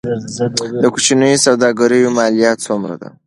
د کوچنیو سوداګریو مالیه څومره ده؟